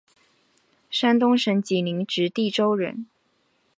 山东省济宁直隶州人。